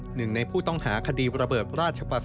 หนึ่งในผู้ต้องหาคดีระเบิดราชประส